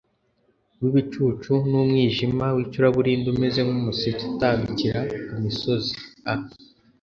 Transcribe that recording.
w ibicu n umwijima w icuraburindi Umeze nk umuseke utambikira ku misozi a